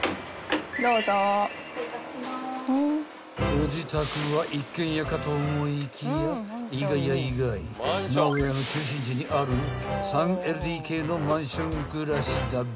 ［ご自宅は一軒家かと思いきや意外や意外名古屋の中心地にある３ＬＤＫのマンション暮らしだべ］